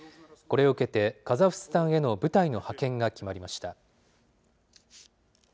これを受けてカザフスタンへの部隊の派遣が決まりました。